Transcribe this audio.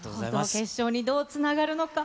決勝にどうつながるのか。